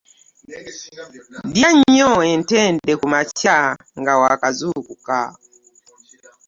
.Lya nyo entendde kumakya nga wakazukuka